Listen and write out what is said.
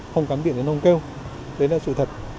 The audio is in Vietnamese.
không cắm điện thì nó không kêu đấy là sự thật